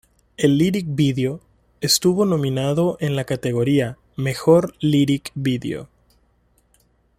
El lyric video estuvo nominado en el en la categoría -"Mejor Lyric Video".